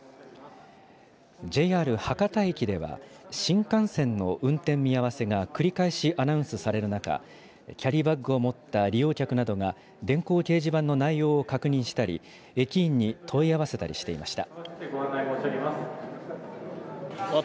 ＪＲ博多駅では、新幹線の運転見合わせが繰り返しアナウンスされる中、キャリーバッグを持った利用客などが、電光掲示板の内容を確認したり、駅員に問い合わせたりしていました。